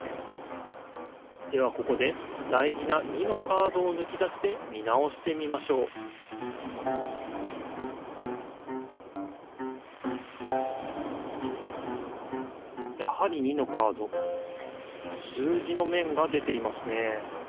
ではここで大事な２のカードをぬき出して見直してみましょうやはり２のカード数字のめんが出ていますね